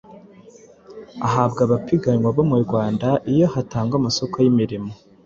ahabwa abapiganwa bo mu Rwanda iyo hatangwa amasoko y’imirimo